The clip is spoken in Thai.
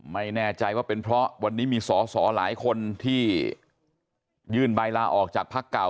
ไม่แน่ใจว่าเป็นเพราะวันนี้มีสอสอหลายคนที่ยื่นใบลาออกจากพักเก่า